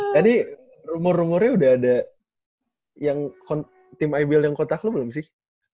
tadi rumor rumornya udah ada yang tim ibl yang kotak lu belum sih